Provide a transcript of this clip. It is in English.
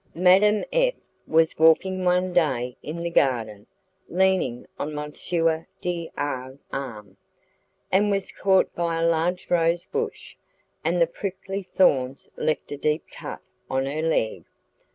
Madame F. was walking one day in the garden, leaning on M. D R 's arm, and was caught by a large rose bush, and the prickly thorns left a deep cut on her leg.